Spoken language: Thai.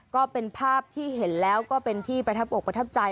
ก็เป็นภาพที่เห็นแล้วก็เป็นที่ประทับอกประทับใจ